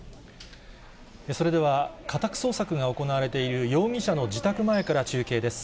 それでは、家宅捜索が行われている、容疑者の自宅前から中継です。